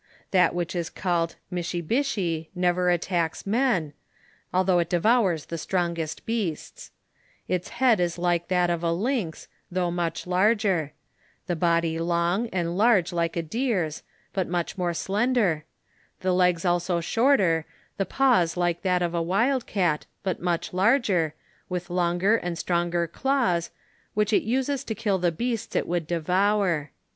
That which is called Michybichy never attacks man, although it de vours the strongest beasts ; its head is like that of a lynx, though much larger ; the body long and large like a deer's, but much more slender ; the legs also shorter, the paws like those of a wild cat, but much larger, with longer and stronger claws, which it uses to kill the beasts it would devour.